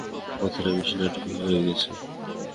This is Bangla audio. কথাটা বেশি নাটকীয় হয়ে গেছে?